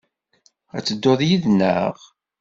Ad tedduḍ yid-neɣ?